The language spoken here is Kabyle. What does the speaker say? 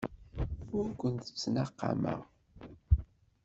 Ur kent-ttnaqameɣ.